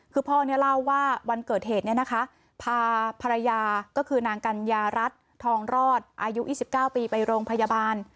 คือพ่อเนี่ยเล่าว่าวันเกิดเหตุเนี่ยนะคะพาภรรยาก็คือนางกัญญารัฐทองรอดอายุ๒๙ปีไปโรงพยาบาล